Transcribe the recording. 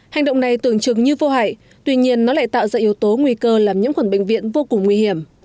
hành động này tưởng chừng như vô hại tuy nhiên nó lại tạo ra yếu tố nguy cơ làm nhiễm khuẩn bệnh viện vô cùng nguy hiểm